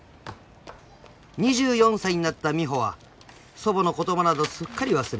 ［２４歳になった美帆は祖母の言葉などすっかり忘れ